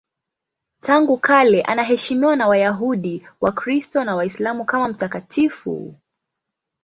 Tangu kale anaheshimiwa na Wayahudi, Wakristo na Waislamu kama mtakatifu.